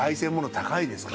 高いですよ。